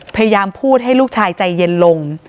พยายามพูดให้ลูกชายใจเย็นลง